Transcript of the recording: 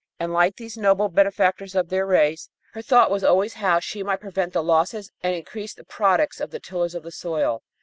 And like these noble benefactors of their race, her thought was always how she might prevent the losses and increase the products of the tillers of the soil.